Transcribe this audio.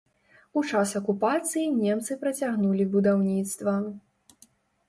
У час акупацыі немцы працягнулі будаўніцтва.